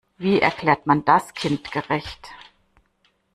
Wie erklärt man das kindgerecht?